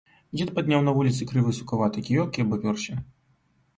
Дзед падняў на вуліцы крывы сукаваты кіёк і абапёрся.